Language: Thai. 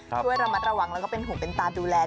ช่วยระมัดระวังแล้วก็เป็นห่วงเป็นตาดูแล